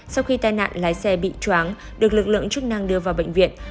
sau khi tai nạn lái xe bị chóng được lực lượng chức năng đưa vào bệnh viện